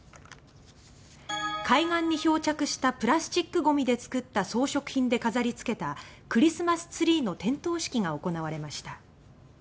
海岸に漂着したプラスチックごみで作った装飾品で飾り付けたクリスマスツリーの点灯式が行われました。